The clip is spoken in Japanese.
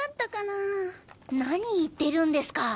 なに言ってるんですか！